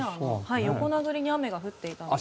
横殴りに雨も降っていたので。